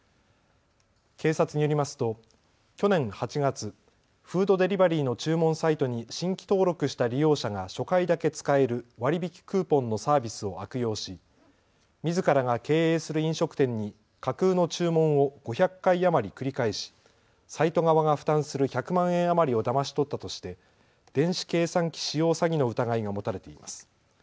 警察によりますと去年８月、フードデリバリーの注文サイトに新規登録した利用者が初回だけ使える割引きクーポンのサービスを悪用しみずからが経営する飲食店に架空の注文を５００回余り繰り返し、サイト側が負担する１００万円余りをだまし取ったとして電子計算機使用詐欺の疑いが持たれています。